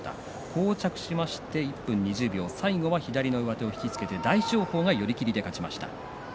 こう着して１分２０秒最後は左の上手を引き付けて大翔鵬が寄り切りで勝ちました。